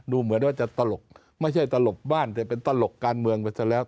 เหมือนว่าจะตลกไม่ใช่ตลกบ้านแต่เป็นตลกการเมืองไปซะแล้ว